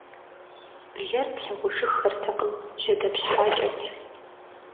Блэр плъагъужыххэртэкъым - жьэдэпщхьакӀэт.